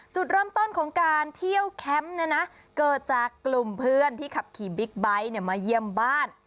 จุดเริ่มต้นของการเที่ยวแคมป์เนี่ยนะเกิดจากกลุ่มเพื่อนที่ขับขี่บิ๊กไบท์มาเยี่ยมบ้าน